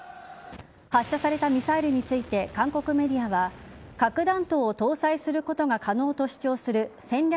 発射されたミサイルについて韓国メディアは核弾頭を搭載することが可能と主張する戦略